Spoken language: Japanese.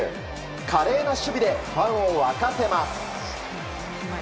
華麗な守備でファンを沸かせます。